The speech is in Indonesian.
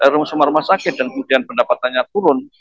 rumah rumah sakit dan kemudian pendapatannya turun